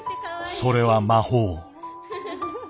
それは魔法。